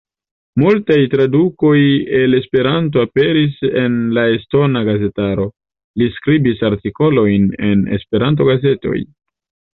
Multaj tradukoj el Esperanto aperis en la estona gazetaro; li skribis artikolojn en Esperanto-gazetoj.